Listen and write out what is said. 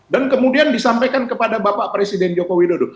dan kemudian disampaikan kepada bapak presiden joko widodo